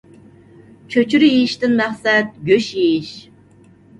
چۆچۈرە يېيىشتىن مەقسەت گۆش يېيىش